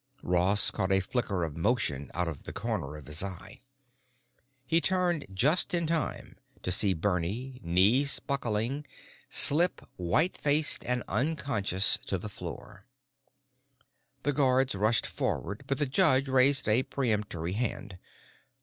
Ross caught a flicker of motion out of the corner of his eye. He turned just in time to see Bernie, knees buckling, slip white faced and unconscious to the floor. The guards rushed forward, but the judge raised a peremptory hand.